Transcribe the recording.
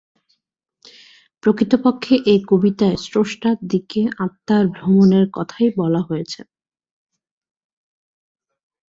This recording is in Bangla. প্রকৃতপক্ষে এ কবিতায় স্রষ্টার দিকে আত্মার ভ্রমণের কথাই বলা হয়েছে।